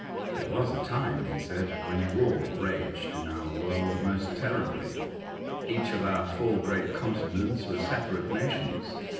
" There was a time," he said, "when war raged in our world most terribly. Each of our four great continents were separate nations.